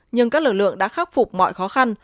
nhưng các lực lượng đã khắc phục mọi khó khăn